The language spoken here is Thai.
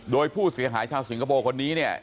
โดยผู้เสียหายชาวสิงคโปร์คนนี้เนี่ย